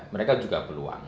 mereka juga peluang